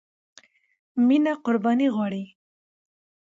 مینه قربانی غواړي.